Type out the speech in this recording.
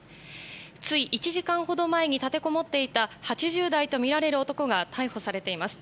つい１時間ほど前に立てこもっていた８０代とみられる男が逮捕されています。